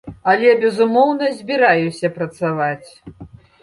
Але, безумоўна, збіраюся працаваць.